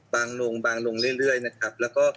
บางลงบางลงเรื่อยนะครับแล้วก็